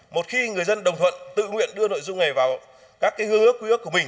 một khi người dân đồng thuận tự nguyện đưa nội dung này vào các hứa ước quy ước của mình